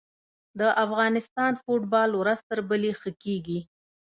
د افغانستان فوټبال ورځ تر بلې ښه کیږي.